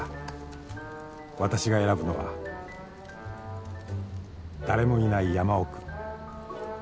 ［私が選ぶのは誰もいない山奥］